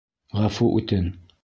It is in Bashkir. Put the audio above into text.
Ғәфү үтен.